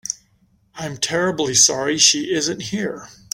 I'm terribly sorry she isn't here.